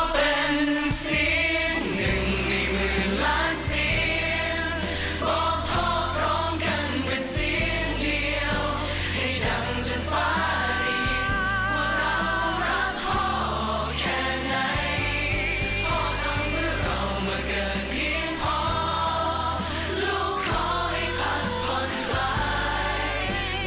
เพราะทั้งเมื่อเรามาเกิดเพียงพอลูกขอให้พักผ่อนไกล